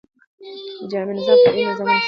د جامع نظام، فرعي نظامونه څيړي.